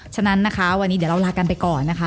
ฉะนั้นนะคะวันนี้เดี๋ยวเราลากันไปก่อนนะคะ